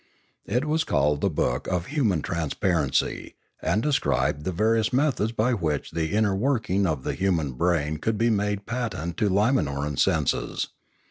It was called the book of Human Transparency and described the various methods by which the inner working of the human brain could be made patent to Limanoran senses.